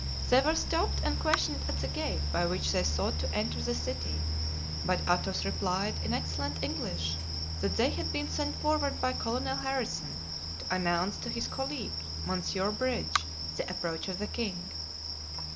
They were stopped and questioned at the gate by which they sought to enter the city, but Athos replied, in excellent English, that they had been sent forward by Colonel Harrison to announce to his colleague, Monsieur Bridge, the approach of the king.